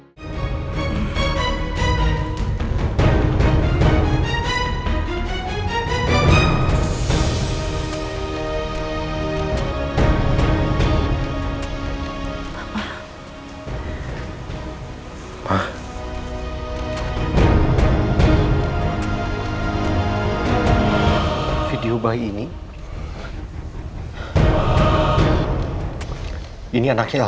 sampai jumpa di video selanjutnya